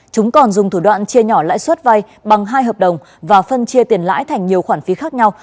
chúng còn dùng thủ đoạn chia nhỏ lãi suất vai bằng hai hợp đồng và phân chia tiền lãi thành nhiều khoản phí khác nhau